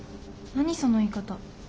何その言い方。